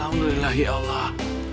alhamdulillah ya allah